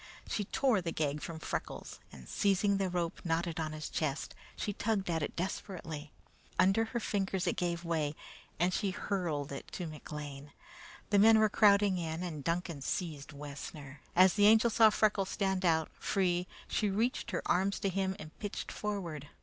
She tore the gag from Freckles, and seizing the rope knotted on his chest, she tugged at it desperately. Under her fingers it gave way, and she hurled it to McLean. The men were crowding in, and Duncan seized Wessner. As the Angel saw Freckles stand out, free, she reached her arms to him and pitched forward.